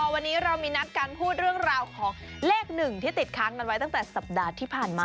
วันนี้เรามีนัดการพูดเรื่องราวของเลข๑ที่ติดค้างกันไว้ตั้งแต่สัปดาห์ที่ผ่านมา